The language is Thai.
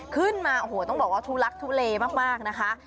ขึ้นมาโอ้โหต้องบอกว่าทุลักทุเลมากนะคะ